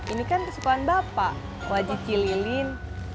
ini kan kesukaan bapak wajib cililin